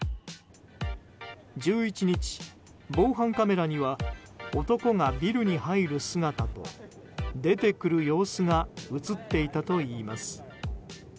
１１日、防犯カメラには男がビルに入る姿と出てくる様子が映っていたといいます。